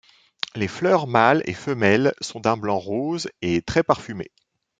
Les fleurs mâles et femelles sont d'un blanc rose et très parfumées.